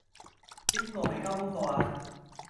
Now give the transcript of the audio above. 邊個未交功課呀?